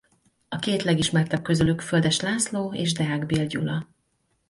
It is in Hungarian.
A két legismertebb közülük Földes László és Deák Bill Gyula.